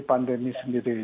di pandemi sendiri